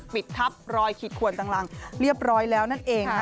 ปิดทับรอยขีดขวนต่างเรียบร้อยแล้วนั่นเองค่ะ